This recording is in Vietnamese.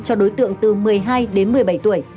cho đối tượng từ một mươi hai đến một mươi bảy tuổi